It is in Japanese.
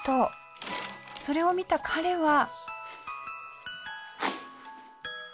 それを見た彼は。